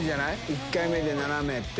１回目で７名って。